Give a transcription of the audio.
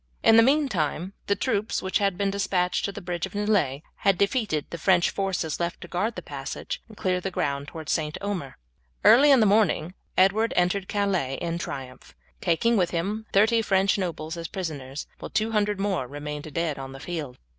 In the meantime the troops which had been despatched to the bridge of Nieullay had defeated the French forces left to guard the passage and clear the ground towards St. Omer. Early in the morning Edward entered Calais in triumph, taking with him thirty French nobles as prisoners, while two hundred more remained dead on the field.